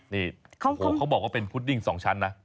นี่เขาบอกว่าเป็นพุดดิ้ง๒ชั้นนะ